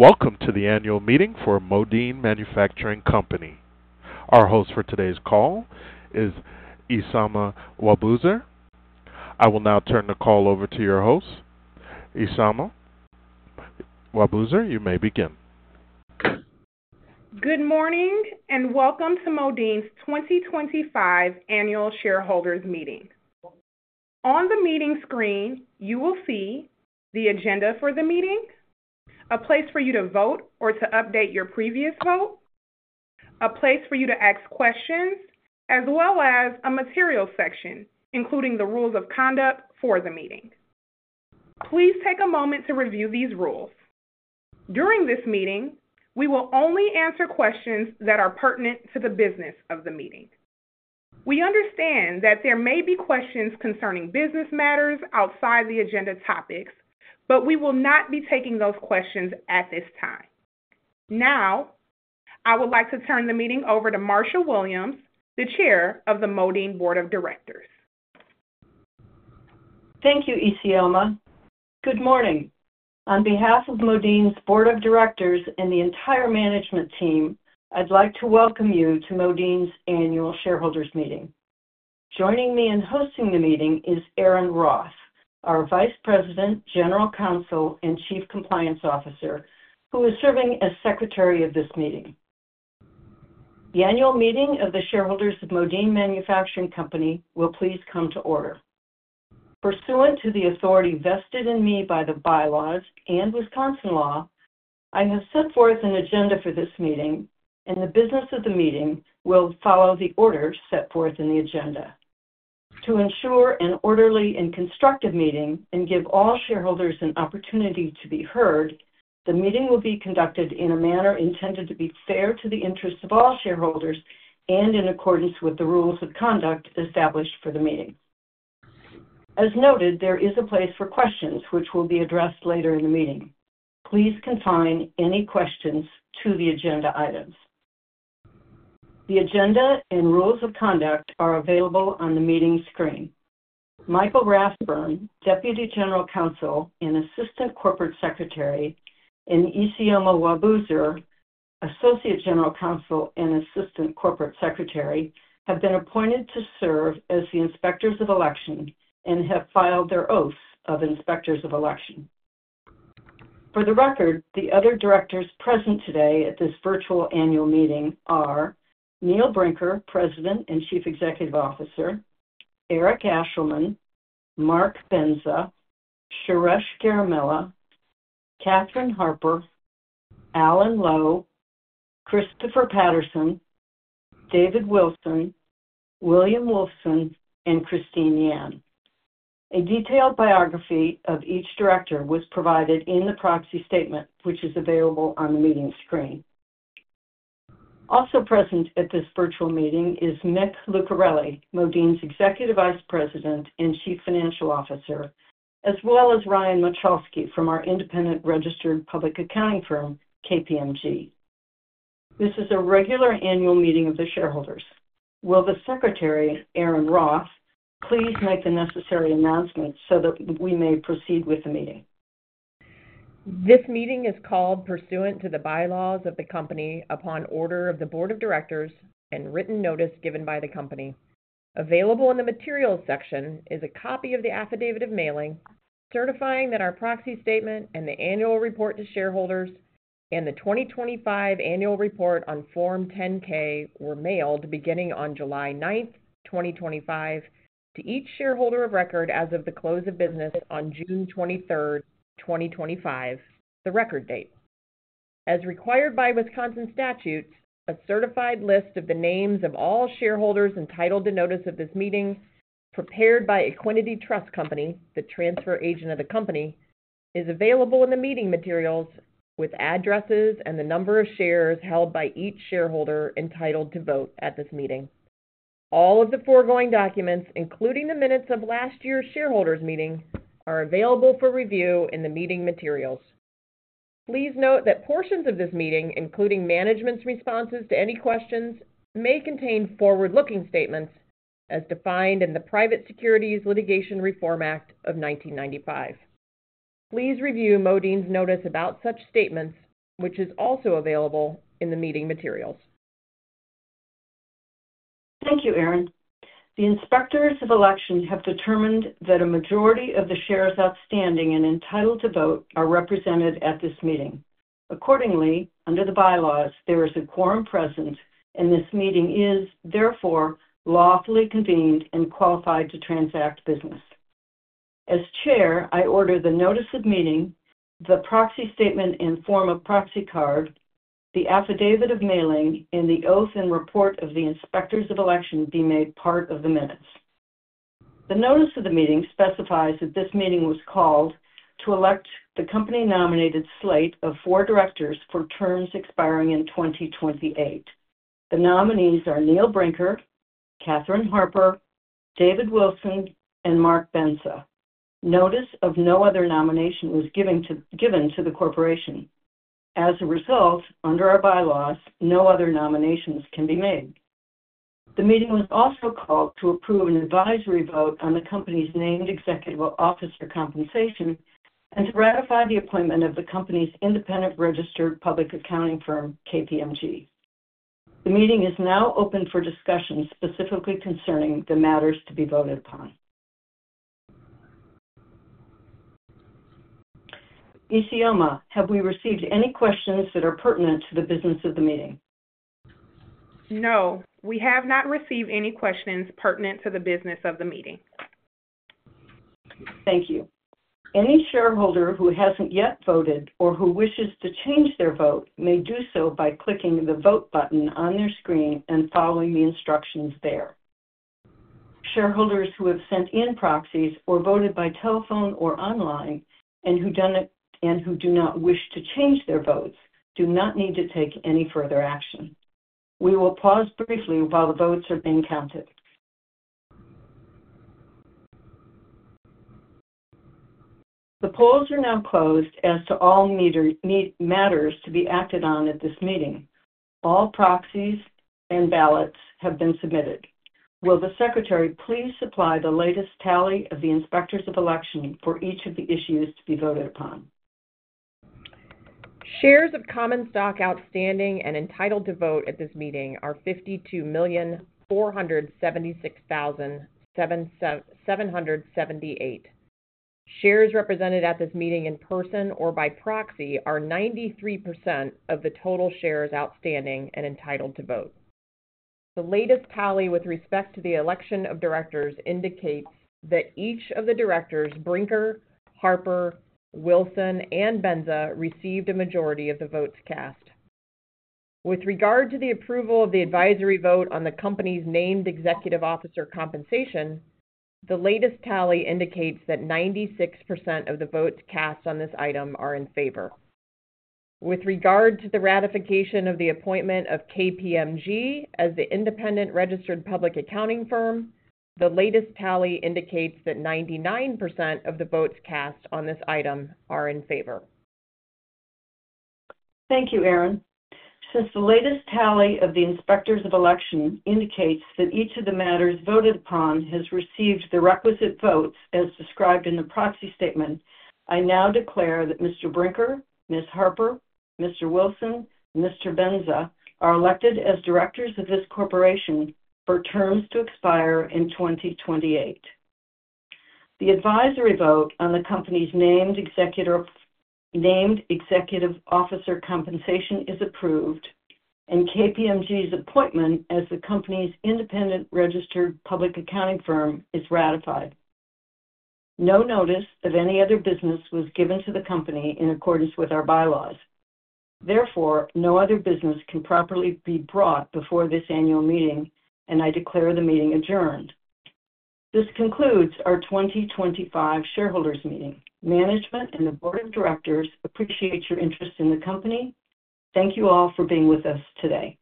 Welcome to the annual meeting for Modine Manufacturing Company. Our host for today's call is Isioma Nwabuzor. I will now turn the call over to your host, Isioma Nwabuzor. You may begin. Good morning and welcome to Modine Manufacturing Company's 2025 Annual Shareholders Meeting. On the meeting screen, you will see the agenda for the meeting, a place for you to vote or to update your previous vote, a place for you to ask questions, as well as a materials section including the rules of conduct for the meeting. Please take a moment to review these rules. During this meeting, we will only answer questions that are pertinent to the business of the meeting. We understand that there may be questions concerning business matters outside the agenda topics, but we will not be taking those questions at this time. Now, I would like to turn the meeting over to Marsha Williams, the Chair of the Board of Directors. Thank you, Isioma. Good morning. On behalf of Modine's Board of Directors and the entire management team, I'd like to welcome you to Modine's Annual Shareholders Meeting. Joining me in hosting the meeting is Erin Roth, our Vice President, General Counsel, and Chief Compliance Officer, who is serving as Secretary of this meeting. The annual meeting of the shareholders of Modine Manufacturing Company will please come to order. Pursuant to the authority vested in me by the bylaws and Wisconsin law, I have set forth an agenda for this meeting, and the business of the meeting will follow the order set forth in the agenda. To ensure an orderly and constructive meeting and give all shareholders an opportunity to be heard, the meeting will be conducted in a manner intended to be fair to the interests of all shareholders and in accordance with the rules of conduct established for the meeting. As noted, there is a place for questions, which will be addressed later in the meeting. Please confine any questions to the agenda items. The agenda and rules of conduct are available on the meeting screen. Michael Rathburn, Deputy General Counsel and Assistant Corporate Secretary, and Isama Wabuzer, Associate General Counsel and Assistant Corporate Secretary, have been appointed to serve as the Inspectors of Election and have filed their oaths of Inspectors of Election. For the record, the other directors present today at this virtual annual meeting are Neil Brinker, President and Chief Executive Officer; Eric Ashelman, Mark Benza, Suresh Garamela, Kathryn Harper, Alan Low, Christopher Patterson, David Wilson, William Wolfson, and Christine Yan. A detailed biography of each director was provided in the proxy statement, which is available on the meeting screen. Also present at this virtual meeting is Mick Lucareli, Modine's Executive Vice President and Chief Financial Officer, as well as Ryan Machalski from our independent registered public accounting firm, KPMG. This is a regular annual meeting of the shareholders. Will the Secretary, Erin Roth, please make the necessary announcements so that we may proceed with the meeting? This meeting is called pursuant to the bylaws of the company upon order of the Board of Directors and written notice given by the company. Available in the materials section is a copy of the affidavit of mailing certifying that our proxy statement and the annual report to shareholders and the 2025 Annual Report on Form 10-K were mailed beginning on July 9, 2025, to each shareholder of record as of the close of business on June 23, 2025, the record date. As required by Wisconsin statutes, a certified list of the names of all shareholders entitled to notice of this meeting prepared by Equiniti Trust Company, the transfer agent of the company, is available in the meeting materials with addresses and the number of shares held by each shareholder entitled to vote at this meeting. All of the foregoing documents, including the minutes of last year's shareholders' meeting, are available for review in the meeting materials. Please note that portions of this meeting, including management's responses to any questions, may contain forward-looking statements, as defined in the Private Securities Litigation Reform Act of 1995. Please review Modine's notice about such statements, which is also available in the meeting materials. Thank you, Erin. The Inspectors of Election have determined that a majority of the shares outstanding and entitled to vote are represented at this meeting. Accordingly, under the bylaws, there is a quorum present, and this meeting is, therefore, lawfully convened and qualified to transact business. As Chair, I order the notice of meeting, the proxy statement in form of proxy card, the affidavit of mailing, and the oath and report of the Inspectors of Election be made part of the minutes. The notice of the meeting specifies that this meeting was called to elect the company-nominated slate of four directors for terms expiring in 2028. The nominees are Neil Brinker, Kathryn Harper, David Wilson, and Mark Benza. Notice of no other nomination was given to the corporation. As a result, under our bylaws, no other nominations can be made. The meeting was also called to approve an advisory vote on the company's named executive officer compensation and to ratify the appointment of the company's independent registered public accounting firm, KPMG. The meeting is now open for discussion specifically concerning the matters to be voted upon. Isama, have we received any questions that are pertinent to the business of the meeting? No, we have not received any questions pertinent to the business of the meeting. Thank you. Any shareholder who hasn't yet voted or who wishes to change their vote may do so by clicking the vote button on their screen and following the instructions there. Shareholders who have sent in proxies or voted by telephone or online and who do not wish to change their votes do not need to take any further action. We will pause briefly while the votes are being counted. The polls are now closed as to all matters to be acted on at this meeting. All proxies and ballots have been submitted. Will the Secretary please supply the latest tally of the Inspectors of Election for each of the issues to be voted upon? Shares of common stock outstanding and entitled to vote at this meeting are 52,476,778. Shares represented at this meeting in person or by proxy are 93% of the total shares outstanding and entitled to vote. The latest tally with respect to the election of directors indicates that each of the directors, Brinker, Harper, Wilson, and Benza, received a majority of the votes cast. With regard to the approval of the advisory vote on the company's named executive officer compensation, the latest tally indicates that 96% of the votes cast on this item are in favor. With regard to the ratification of the appointment of KPMG as the independent registered public accounting firm, the latest tally indicates that 99% of the votes cast on this item are in favor. Thank you, Erin. Since the latest tally of the Inspectors of Election indicates that each of the matters voted upon has received the requisite votes as described in the proxy statement, I now declare that Mr. Brinker, Ms. Harper, Mr. Wilson, and Mr. Benza are elected as directors of this corporation for terms to expire in 2028. The advisory vote on the company's named executive officer compensation is approved, and KPMG's appointment as the company's independent registered public accounting firm is ratified. No notice of any other business was given to the company in accordance with our bylaws. Therefore, no other business can properly be brought before this annual meeting, and I declare the meeting adjourned. This concludes our 2025 Shareholders Meeting. Management and the Board of Directors appreciate your interest in the company. Thank you all for being with us today.